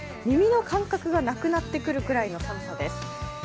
耳の感覚がなくなってくるくらいの寒さです。